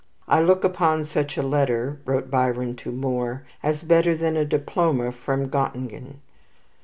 "I look upon such a letter," wrote Byron to Moore, "as better than a diploma from Gottingen."